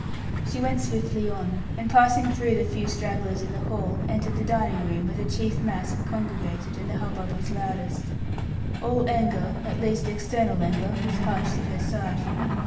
She went swiftly on; and passing through the few stragglers in the hall, entered the dining room, where the chief mass had congregated, and the hubbub was loudest. All anger, at least external anger, was hushed at her sight.